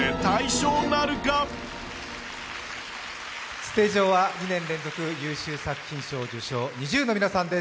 ステージ上は２年連続優秀作品賞受賞ＮｉｚｉＵの皆さんです。